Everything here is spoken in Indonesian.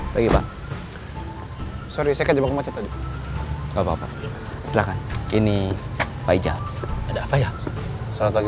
pagi pak sorry saya kecebak macet aja enggak papa silakan ini faijal ada apa ya selamat pagi